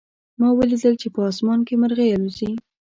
ما ولیدل چې په آسمان کې مرغۍ الوزي